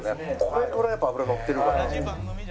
これぐらいやっぱ脂のってるから。